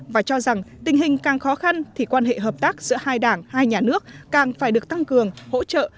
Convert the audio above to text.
và cho rằng tình hình càng khó khăn thì quan hệ hợp tác giữa hai đảng hai nhà nước càng phải được tăng cường hỗ trợ